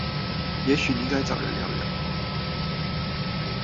也許你該找人聊聊